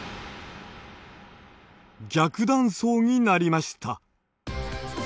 逆断層になりました。